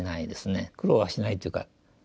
苦労はしないというか